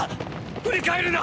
振り返るな！！